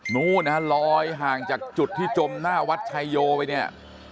นู้นนะฮะลอยห่างจากจุดที่จมหน้าวัดชายโยไปเนี่ย